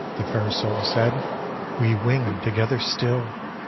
the fair soul said, " We wing ti^ther still!